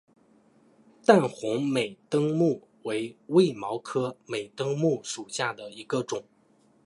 淡红美登木为卫矛科美登木属下的一个种。